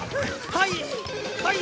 はい！